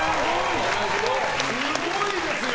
すごいですよ！